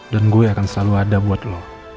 dan gue akan selalu ada buat lo